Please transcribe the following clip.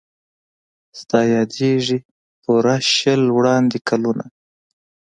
ستا یادیږي پوره شل وړاندي کلونه